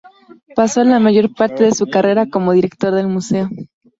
Pasó la mayor parte de su carrera como director del museo.